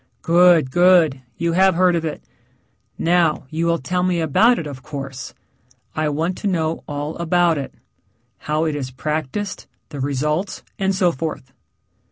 "Good, good. You have heard of it. Now, you will tell me about it, of course. I want to know all about it how it is practiced, the results, and so forth."